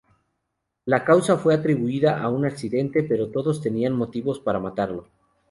La causa fue atribuida a un accidente, pero todos tenían motivos para matarlo.